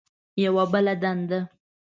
یوه بله دنده ده.